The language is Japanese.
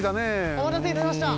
おまたせいたしました！